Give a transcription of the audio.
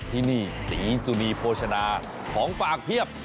ที่นี่ศรีสุนีโภชนาของฝากเพียบ